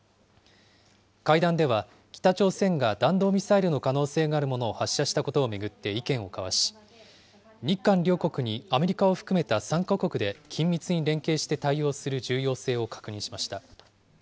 会談では北朝鮮が弾道ミサイルの可能性があるものを発射したことを巡って意見を交わし、日韓両国にアメリカを含めた３か国で緊密に連携して対応する重要性を確認しました。